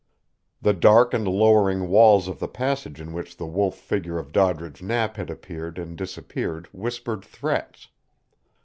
The dark and lowering walls of the passage in which the Wolf figure of Doddridge Knapp had appeared and disappeared whispered threats.